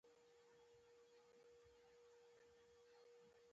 دومره تود هرکلی نه و شوی.